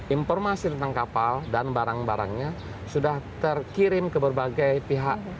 informasi tentang kapal dan barang barangnya sudah terkirim ke berbagai pihak